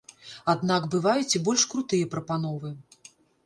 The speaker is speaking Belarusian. Аднак бываюць і больш крутыя прапановы.